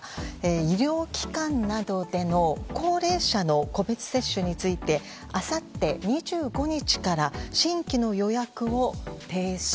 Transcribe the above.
医療機関などでの高齢者の個別接種についてあさって２５日から新規の予約を停止。